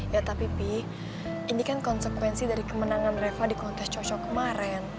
ya tapi pih ini kan konsekuensi dari kemenangan reva di kontes cocok kemaren